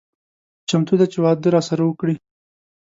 چمتو ده چې واده راسره وکړي.